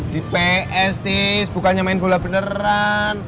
di ps tis bukannya main bola beneran